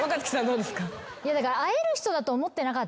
どうですか？